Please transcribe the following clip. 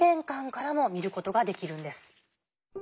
観からも見る事ができるんです。